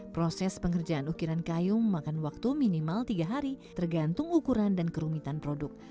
proses pengerjaan ukiran kayu memakan waktu minimal tiga hari tergantung ukuran dan kerumitan produk